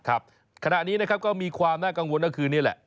ขณะนี้นะครับก็มีความน่ากังวลก็คือนี่แหละ